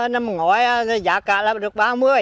năm ngoái giá cả là được ba mươi